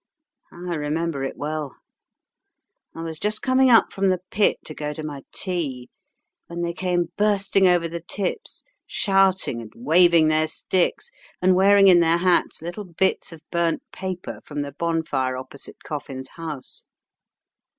"I remember it well. I was just coming up from the pit to go to my tea, when they came bursting over the tips, shouting and waving their sticks, and wearing in their hats little bits of burnt paper from the bonfire opposite Coffin's house.